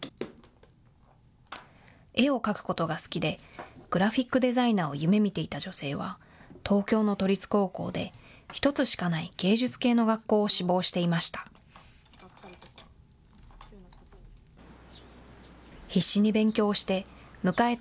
絵を描くことが好きで、グラフィックデザイナーを夢みていた女性は、東京の都立高校で１つしかない芸術系の学校を志望していました。